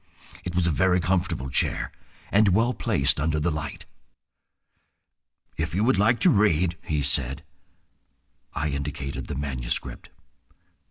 It was a very comfortable chair, and well placed under the light. "If you would like to read—" he said. I indicated the manuscript.